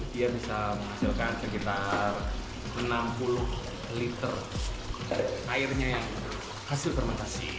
dia bisa menghasilkan sekitar enam puluh liter airnya yang hasil fermentasi